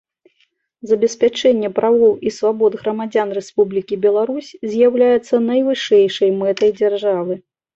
Забеспячэнне правоў і свабод грамадзян Рэспублікі Беларусь з’яўляецца найвышэйшай мэтай дзяржавы.